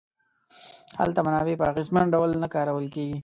هلته منابع په اغېزمن ډول نه کارول کیږي.